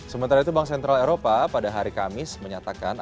sementara itu bank sentral eropa pada hari kamis menyatakan